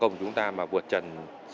nếu như chúng ta mà vượt trần sáu mươi năm